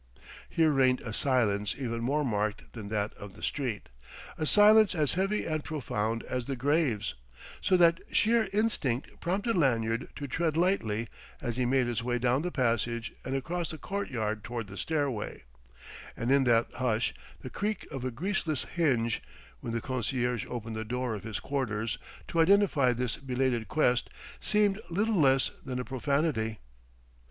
Here reigned a silence even more marked than that of the street, a silence as heavy and profound as the grave's, so that sheer instinct prompted Lanyard to tread lightly as he made his way down the passage and across the courtyard toward the stairway; and in that hush the creak of a greaseless hinge, when the concierge opened the door of his quarters to identify this belated guest, seemed little less than a profanity.